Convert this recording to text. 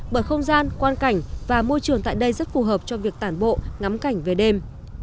bởi không gian quan cảnh và môi trường tại đây rất phù hợp cho việc tản bộ ngắm cảnh về đêm